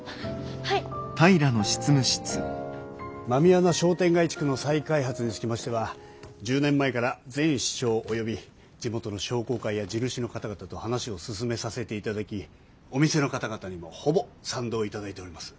狸穴商店街地区の再開発につきましては１０年前から前市長及び地元の商工会や地主の方々と話を進めさせていただきお店の方々にもほぼ賛同いただいております。